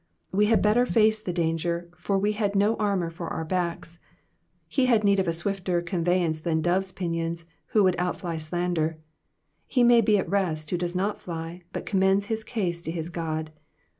We had better face the danger, for we have no armour for our backs. He had need of a swifter conveyance than doves^ pinions who would outfly slander ; he may be at rest who does not fly, but commends his case to his God.